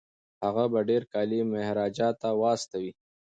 هغه به ډیر کالي مهاراجا ته واستوي.